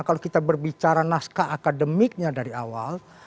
kalau kita berbicara naskah akademiknya dari awal